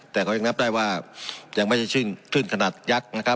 แต่ก็ยังนับได้ว่ายังไม่ใช่คลื่นขนาดยักษ์นะครับ